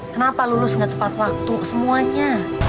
kenapa lulus gak tepat waktu semuanya